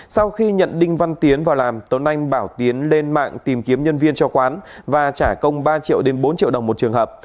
sau khi nhận đinh văn tiến vào làm tuấn anh bảo tiến lên mạng tìm kiếm nhân viên cho quán và trả công ba triệu đến bốn triệu đồng một trường hợp